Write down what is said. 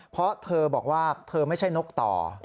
เพราะเธอบอกว่าเธอไม่ใช่นกต่อ